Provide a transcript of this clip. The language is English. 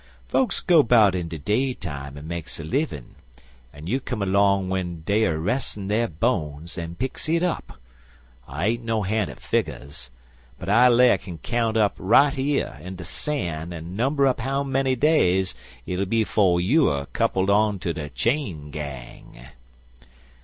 "Fokes go 'bout in de day time an' makes a livin', an' you come 'long w'en dey er res'in' der bones an' picks it up. I ain't no han' at figgers, but I lay I k'n count up right yer in de san' en number up how menny days hit'll be 'fo' you 'er cuppled on ter de chain gang."